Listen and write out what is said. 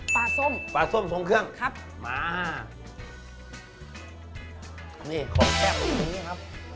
ส้มปลาส้มทรงเครื่องครับมานี่ของแซ่บอย่างนี้ครับ